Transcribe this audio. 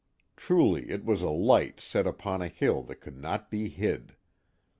Truly it was a light set upon a hill that could not be hid.